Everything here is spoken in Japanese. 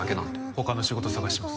他の仕事探します